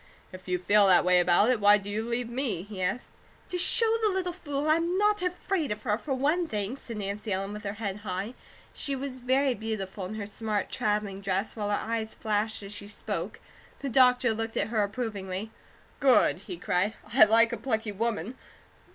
"If you feel that way about it, why do you leave me?" he asked. "To show the little fool I'm not afraid of her, for one thing," said Nancy Ellen with her head high. She was very beautiful in her smart travelling dress, while her eyes flashed as she spoke. The doctor looked at her approvingly. "Good!" he cried. "I like a plucky woman!